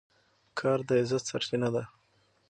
کار د عزت سرچینه ده.